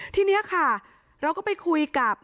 ทีนี้ค่ะเราก็ไปคุยกับ